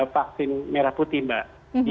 vaksin merah putih pak